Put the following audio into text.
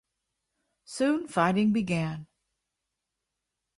Soon fighting began.